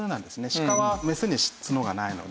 シカはメスに角がないので。